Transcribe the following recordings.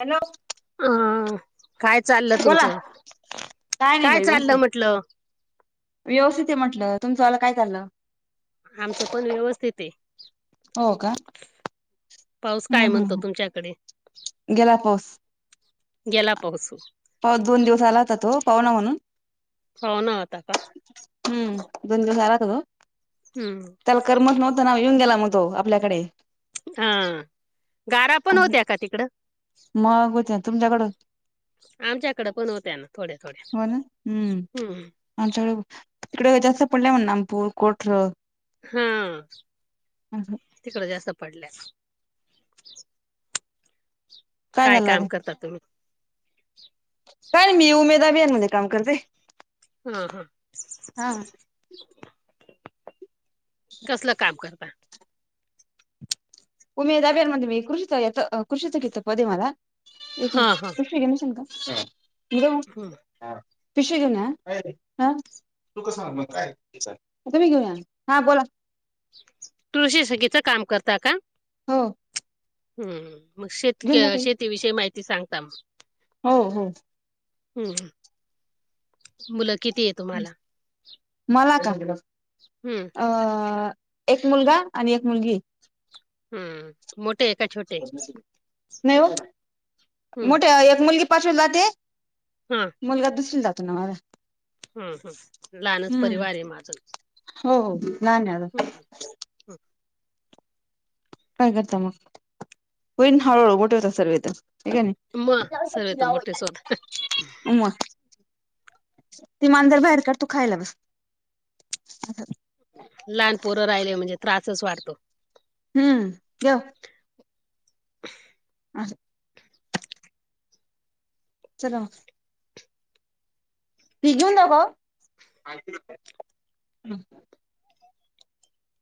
Hello अ काय चाललं बोला तुमचं, नाही काय बाई चाललं व्यवस्थित म्हंटलं? व्यवस्थित आहे म्हटलं, तुमचं वालं काय चाललं? आमचं पण व्यवस्थितए. हो का? पाऊस काय हम्म म्हणतो हम्म तुमच्याकडे? गेला पाऊस. गेला पाऊस, हो. पाऊस दोन दिवस आला होता तो, पाहुणा म्हणून. पाहुणा होता का? हम्म, दोन दिवस आला होता तो, हम्म त्याला करमत नव् तना ओ येऊन गेला मग तो, आपल्याकडे. हा, गारा पण होत्या का तिकडं? मग होत्या, तुमच्याकडं? आमच्याकडं पण होत्या ना थोड्या थोड्या, हम्म. आमच्या इकडे, तिकडे जास्त पडले म्हणं नागपूर, कोठरं. हा, तिकडं जास्त पडल्या. काय काम झालं? करता तुम्ही काय नाही [unintelligible] मध्ये काम करते. हा हा. हा कसलं काम करता? उमेदाब्यामध्ये मी कृषीच्या हिथं, कृषीचं [unintelligible] घेत पद आहे मला, एक हा मिनटं [unintelligible] ह्याला घेशील का? [unintelligible] हिरो. हं. पिशवी घेऊन या, हं. हं? तू का सांग, मग काय [unintelligible] तुम्ही घेऊन या, हां बोला‌. तुळशी सगीच, काम करता का? हो. हम्, मग शतीक्, घेऊन जा काही शेती विषयी माहिती, सांगता म. हो हो. हम्म, मुलं किती येत? मला का? हम्म अ एक मुलगा आणि एक मुलगी. हम्म,, मोठे ये का, छोटेय? नाही ओ, हम्म मोठय एक मुलगी पाचवीला, जाते हं. मुलगा दुसरीला, जातो ना माझा. हम् हम, लहानच हम्म परिवार ये माझं. हो, लहान ये अजून. ह. [unintelligible] काय करता मग? होईन हळू-हळू, मोठे होता सर्वे त, आहे क् नही? म, सर्व त मोठे च, होत [unintelligible] ती मांजर बाहेर काढ, तू खायला बस. लहान पोरं राहिले, म्हणजे त्रासच वाढतो. हम्म, जेव. अस [unintelligible] चला [unintelligible] तो घेऊन जावो काओ?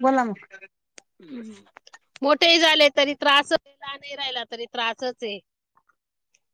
बोला ना. मोठेही झाले, तरी त्रासच, लहानही राहिला, तरी त्रासच ये.